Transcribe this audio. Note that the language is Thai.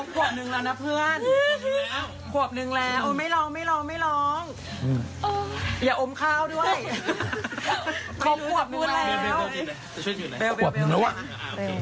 ขวบหนึ่งแล้วนะเพื่อนขวบหนึ่งแล้วไม่ลองไม่ลองไม่ลองอย่าอมข้าวด้วย